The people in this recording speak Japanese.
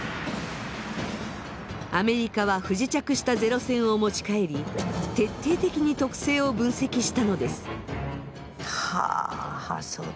アメリカは不時着したゼロ戦を持ち帰り徹底的に特性を分析したのです。